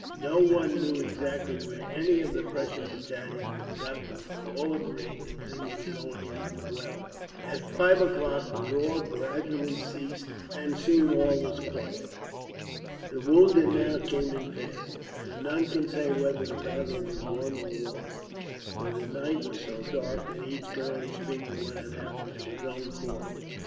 No one knew exactly where any of the Prussian battalions had got to, but all agreed that things were going on well. At five o'clock the roar gradually ceased, and soon all was quiet. The wounded now came in fast, but none could say whether the battle was won or lost; for the night was so dark that each could only speak of what had happened to his own corps.